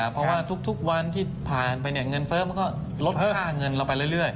เพราะว่าทุกวันที่ผ่านไปเงินเฟ้อมันก็ลดค่าเงินเราไปเรื่อย